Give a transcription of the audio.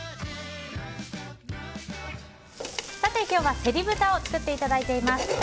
今日はセリ豚を作っていただいています。